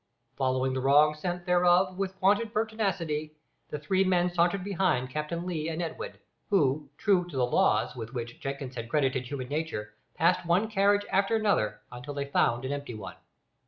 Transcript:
Following the wrong scent, therefore, with wonted pertinacity, the three men sauntered behind Captain Lee and Edwin, who, true to the "laws" with which Jenkins had credited human nature, passed one carriage after another until they found an empty one.